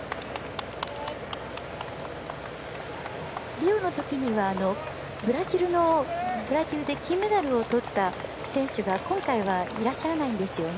リオのときにはブラジルで金メダルをとった選手が今回はいらっしゃらないんですよね。